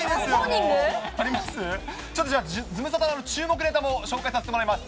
ちょっとズムサタの注目ネタも紹介させてもらいます。